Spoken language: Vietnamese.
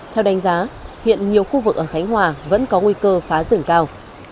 theo đánh giá hiện nhiều khu vực ở khánh hòa vẫn có nguy cơ phá rừng cao